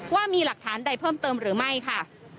ว่ามีหลักฐานใดเพิ่มเติมหรือไม่ค่ะ